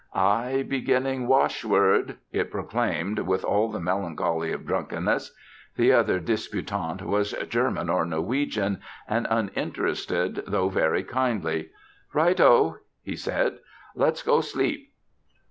"I' beginning wash word," it proclaimed with all the melancholy of drunkenness. The other disputant was German or Norwegian, and uninterested, though very kindly. "Right o!" he said. "Let's go sleep!"